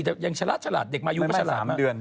แต่ยังฉลาดเด็กมายูก็ฉลาดมาก